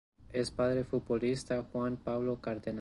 Es padre del futbolista Juan Pablo Cárdenas.